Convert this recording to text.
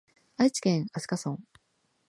愛知県飛島村